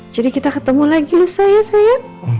jadi kita ketemu lagi lho sayang